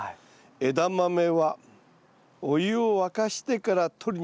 「枝豆はお湯を沸かしてからとりに行け」。